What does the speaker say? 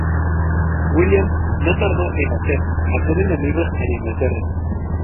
William no tardó en hacer hacer enemigos en Inglaterra.